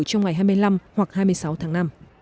trong ngày hai mươi năm hoặc hai mươi sáu tháng năm